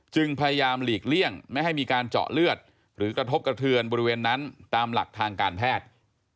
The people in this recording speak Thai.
พยายามหลีกเลี่ยงไม่ให้มีการเจาะเลือดหรือกระทบกระเทือนบริเวณนั้นตามหลักทางการแพทย์